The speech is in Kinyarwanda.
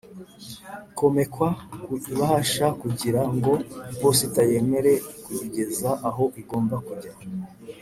komekwa ku ibahasha kugira ngo iposita yemere kuyigeza aho igomba kujya.